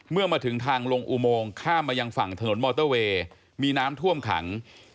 เมื่อมาถึงทางลงอุโมงข้ามมายังฝั่งถนนมอเตอร์เวย์มีน้ำท่วมขัง